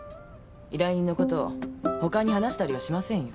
依頼人のことをほかに話したりはしませんよ。